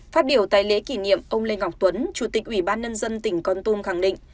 phát biểu tại lễ kỷ niệm ông lê ngọc tuấn chủ tịch ủy ban nhân dân tỉnh con tum khẳng định